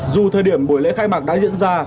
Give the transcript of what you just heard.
dù thời điểm buổi lễ khai mạc đã diễn ra